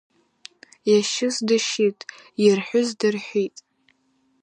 Иашьыз дашьит, иарҳәыз дарҳәит…